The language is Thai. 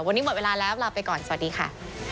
วันนี้หมดเวลาแล้วลาไปก่อนสวัสดีค่ะ